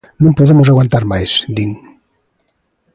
"Non podemos aguantar máis", din.